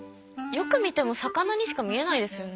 よく見ても魚にしか見えないですよね。